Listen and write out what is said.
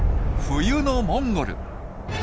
冬のモンゴル。